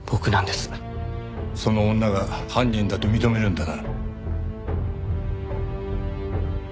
その女が犯人だと認めるんだな？